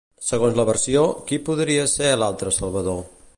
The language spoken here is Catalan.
Segons la versió, qui podria ser l'altre salvador?